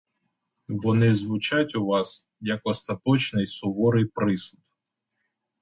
Вони звучать у вас, як остаточний, суворий присуд.